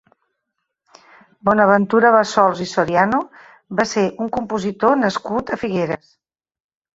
Bonaventura Bassols i Soriano va ser un compositor nascut a Figueres.